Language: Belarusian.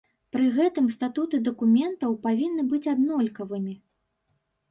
Пры гэтым статуты дакументаў павінны быць аднолькавымі.